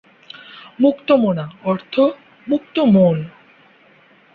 মুক্তমনা অর্থ "মুক্ত মন"।